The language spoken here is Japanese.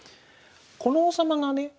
この王様がね